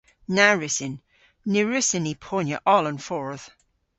Na wrussyn. Ny wrussyn ni ponya oll an fordh.